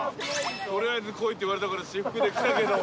とりあえず来いって言われたから私服で来たけど。